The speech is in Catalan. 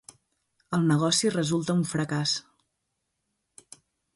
El negoci resulta un fracàs.